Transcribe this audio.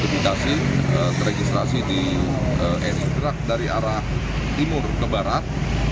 ternyata ini terregistrasi di eduk gerak dari arah timur ke barat